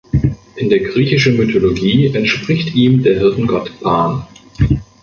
In der griechischen Mythologie entspricht ihm der Hirtengott Pan.